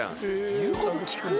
言うこと聞くんだね。